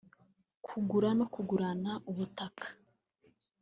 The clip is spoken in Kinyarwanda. kugura no kugurana ubutaka